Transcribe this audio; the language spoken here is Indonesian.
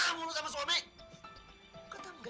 kamu tuh kenapa sih ngebawa aja